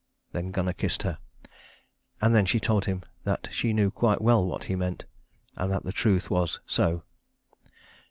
Then Gunnar kissed her. And then she told him that she knew quite well what he meant, and that the truth was so.